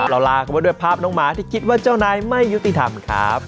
ลากันไปด้วยภาพน้องหมาที่คิดว่าเจ้านายไม่ยุติธรรมครับ